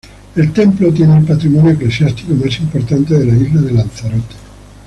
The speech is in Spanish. El templo tiene el patrimonio eclesiástico más importante de la isla de Lanzarote.